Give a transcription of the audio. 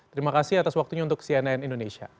terima kasih atas waktunya untuk cnn indonesia